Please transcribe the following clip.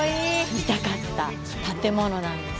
見たかった建物なんです。